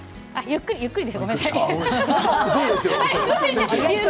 ゆっくりゆっくり。